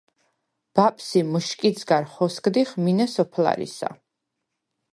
ბაპს ი მჷშკიდს გარ ხოსგდიხ მინე სოფლარისა.